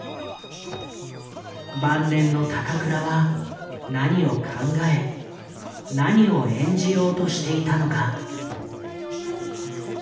晩年の高倉は何を考え何を演じようとしていたのか。